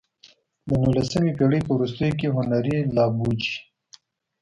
د نولسمې پېړۍ په وروستیو کې هنري لابوچي.